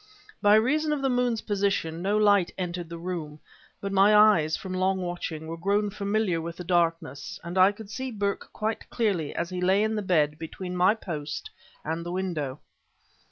By reason of the moon's position, no light entered the room, but my eyes, from long watching, were grown familiar with the darkness, and I could see Burke quite clearly as he lay in the bed between my post and the window.